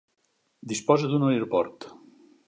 Disposa d'un aeroport.